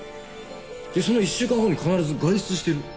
でその１週間後に必ず外出してる。